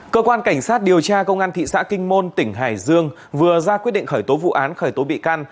cơ quan cảnh sát điều tra công an thị xã kinh môn tỉnh hải dương vừa ra quyết định khởi tố vụ án khởi tố bị can